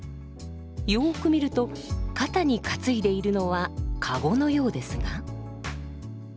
よく見ると肩に担いでいるのは駕籠のようですが。